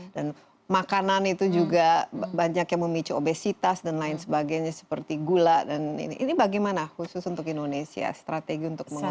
dan makanan itu juga banyak yang memicu obesitas dan lain sebagainya seperti gula dan ini ini bagaimana khusus untuk indonesia strategi untuk mengurangi